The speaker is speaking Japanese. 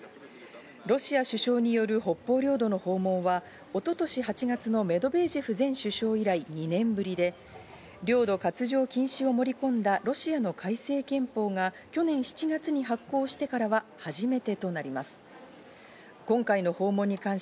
ロシア首相による北方領土の訪問は一昨年８月のメドベージェフ前首相以来２年ぶりで、領土割譲禁止を盛り込んだロシアの改正憲法が去年７月に発行してからは初めてとなります。